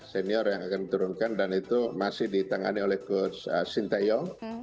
senior yang akan diturunkan dan itu masih ditangani oleh coach sintayong